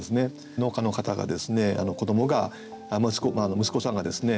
農家の方がですね子どもが息子さんがですね